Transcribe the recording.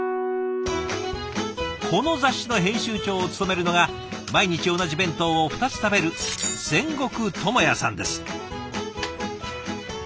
この雑誌の編集長を務めるのが毎日同じ弁当を２つ食べる仙石智也さんです。